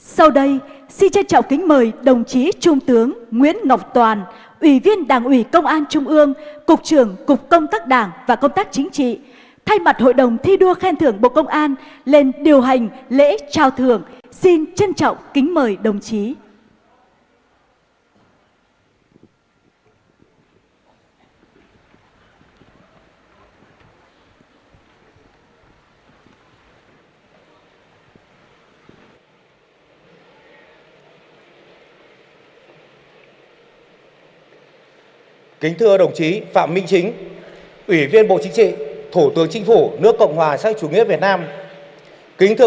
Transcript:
sau đây xin chân trọng kính mời đồng chí trung tướng nguyễn ngọc toàn ủy viên đảng ủy công an trung ương cục trưởng cục công tác đảng và công tác chính trị thay mặt hội đồng thi đua khen thưởng bộ công an lên điều hành lễ trao thưởng xin chân trọng kính mời đồng chí